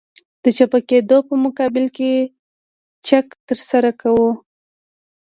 د چپه کېدو په مقابل کې چک ترسره کوو